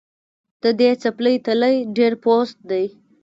د دې څپلۍ تلی ډېر پوست دی